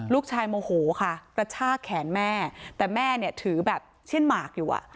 ลูกชายโมโหค่ะประชากแขนแม่แต่แม่เนี่ยถือแบบเชื่อนหมากอยู่